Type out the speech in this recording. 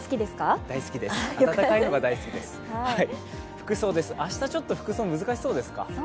服装です、明日、服装ちょっと難しそうですか？